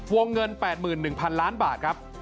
วงเงิน๘๑๐๐๐ล้านบาทครับ